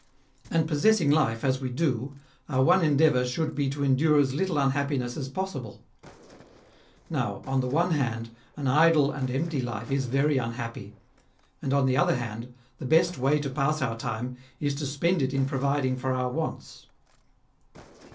And possessing life, as we do, our one endeavour should be to endure as little unhappiness as possible. Now, on the one hand, an idle and empty life is very unhappy ; and on the other hand, the best way to pass our time is to spend it in providing for our wants."